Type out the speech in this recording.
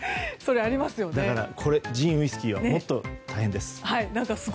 だからジンやウイスキーはもっと大変です。